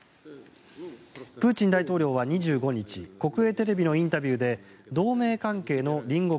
プーチン大統領は２５日国営テレビのインタビューで同盟関係の隣国